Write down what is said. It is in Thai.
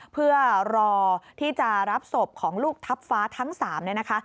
เพื่อรอที่จะรับศพของลูกทัพฟ้าทั้ง๓เนี่ยนะคะ